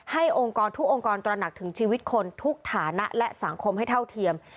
องค์กรทุกองค์กรตระหนักถึงชีวิตคนทุกฐานะและสังคมให้เท่าเทียม